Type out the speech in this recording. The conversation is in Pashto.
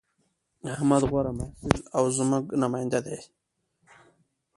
احمد غوره محصل او زموږ نماینده دی